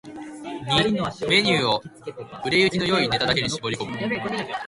ⅱ メニューを売れ行きの良いネタだけに絞り込む